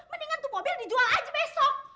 mendingan tuh mobil dijual aja besok